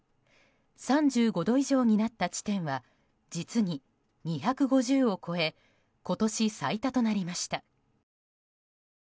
３５度以上になった地点は実に２５０を超え今年最多となりました。